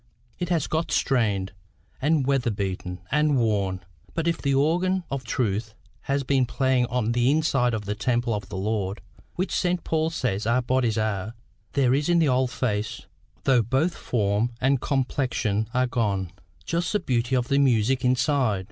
It has got stained, and weather beaten, and worn; but if the organ of truth has been playing on inside the temple of the Lord, which St. Paul says our bodies are, there is in the old face, though both form and complexion are gone, just the beauty of the music inside.